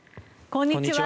こんにちは。